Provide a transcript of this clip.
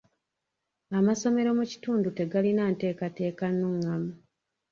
Amasomero mu kitundu tegalina nteekateeka nnungamu.